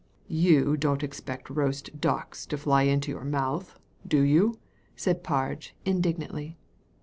You don't expect roast ducks to fly into your mouth, do you?" said Parge, indignantly.